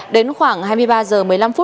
đến khoảng hai mươi ba h một mươi năm